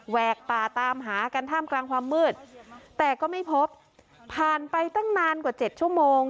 กป่าตามหากันท่ามกลางความมืดแต่ก็ไม่พบผ่านไปตั้งนานกว่าเจ็ดชั่วโมง